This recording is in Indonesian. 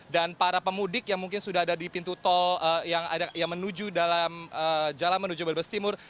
dan para pemudik yang mungkin sudah ada di pintu tol yang menuju dalam jalan menuju berbestimur